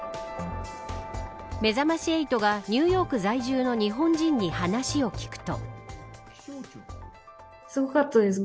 めざまし８がニューヨーク在住の日本人に話を聞くと。